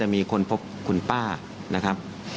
มีคนพบคุณป้า